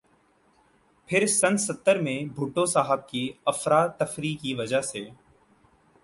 پھر سن ستر میں بھٹو صاھب کی افراتفریح کی وجہ سے